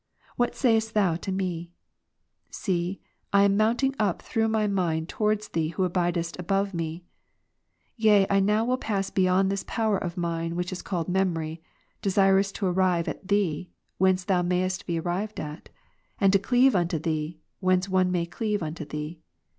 What sayest Thou to me ? See, I am mounting up through my mind towards Thee who abidest above me. Yea I now will pass beyond this power of mine which is called memory, desirous to arrive at Thee, whence Thou mayest be arrived at; and to cleave unto Thee, whence one may cleave unto Thee.